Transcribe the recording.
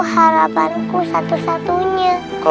terima kasih raka